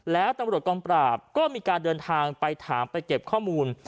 แล้วตำรวจกองปราบก็มีการเดินทางไปถามไปเก็บข้อมูล